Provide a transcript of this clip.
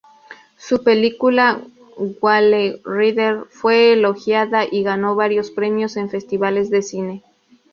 Su película "Whale Rider" fue elogiada y ganó varios premios en festivales de cine.